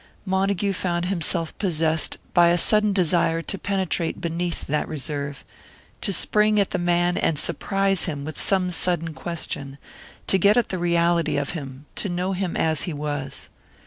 Montague found himself possessed by a sudden desire to penetrate beneath that reserve; to spring at the man and surprise him with some sudden question; to get at the reality of him, to know him as he was.